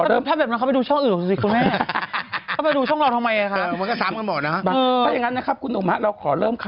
เอาแบบมืออาชีพเลย